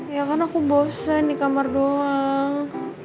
ya karena aku bosen di kamar doang